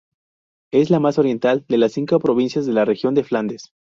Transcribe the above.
Es la más oriental de las cinco provincias de la región de Flandes.